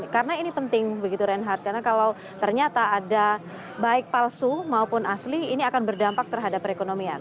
karena ini penting begitu reinhardt karena kalau ternyata ada baik palsu maupun asli ini akan berdampak terhadap perekonomian